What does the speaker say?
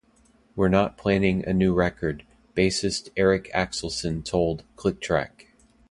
"We're not planning a new record," bassist Eric Axelson told Click Track.